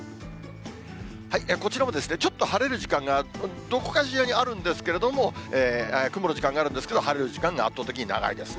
こちらもちょっと晴れる時間がどこかしらにあるんですけども、雲の時間があるんですけれども、晴れる時間が圧倒的に長いですね。